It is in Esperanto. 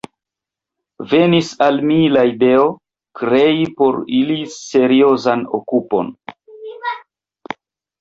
Venis al mi la ideo, krei por ili seriozan okupon.